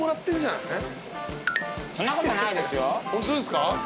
どうですか？